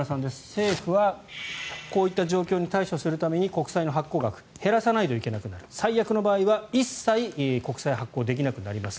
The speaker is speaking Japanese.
政府はこういった状況に対処するために国債の発行額を減らさないといけなくなる最悪の場合は一切国債発行できなくなります。